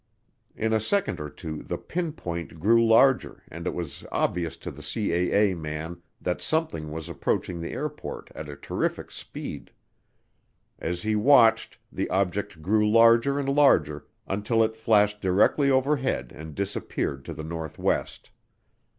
In a second or two the "pinpoint" grew larger and it was obvious to the CAA man that something was approaching the airport at a terrific speed. As he watched, the object grew larger and larger until it flashed directly overhead and disappeared to the northwest.